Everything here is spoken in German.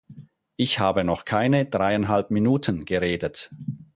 Ich habe noch keine dreieinhalb Minuten geredet!